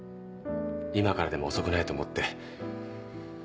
今からでも遅くないと思って